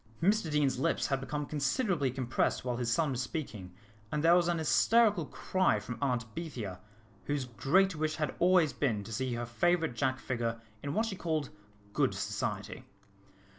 Mr Deane's lips had become considerably compressed while his son was speaking, and there was an hysterical cry from Aunt Bethia, whose great wish had always been to see her favourite Jack figure in what she called good society.